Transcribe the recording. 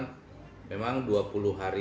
dan memang dua puluh hari